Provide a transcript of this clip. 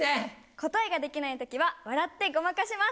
答えができないときは笑ってごまかします。